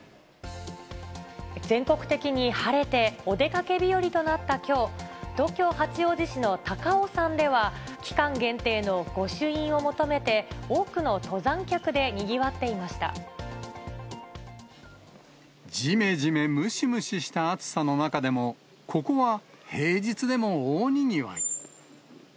全国的に晴れて、お出かけ日和となったきょう、東京・八王子市の高尾山では、期間限定の御朱印を求めて、多くの登山客でにぎわっていましじめじめ、ムシムシした暑さの中でも、ここは平日でも大にぎわい。